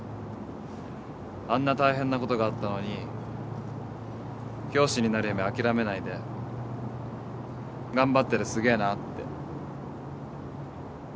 あんな大変なことがあったのに教師になる夢諦めないで頑張っててすげえなって。